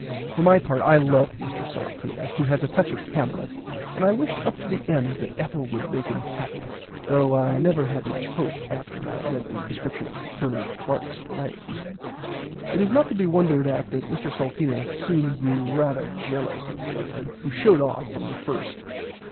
For my part I love Mr Salteena, who has a touch of Hamlet, and I wished up to the end that Ethel would make him happy, though I never had much hope after I read the description of Bernard Clark's legs. It is not to be wondered at that Mr Salteena soon grew "rarther jellous" of Bernard, who showed off from the first.